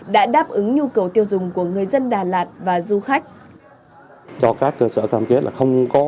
đã đáp ứng nhu cầu tiêu dùng của người dân đà lạt và du khách